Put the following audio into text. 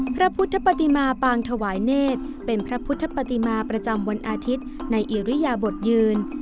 พระพุทธปฏิมาปางถวายเนธเป็นพระพุทธปฏิมาประจำวันอาทิตย์ในอิริยบทยืน